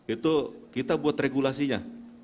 itu kita buat regulasinya